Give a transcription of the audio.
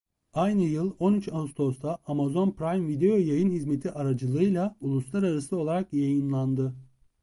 Aynı yıl on üç Ağustos'ta Amazon Prime Video yayın hizmeti aracılığıyla uluslararası olarak yayınlandı.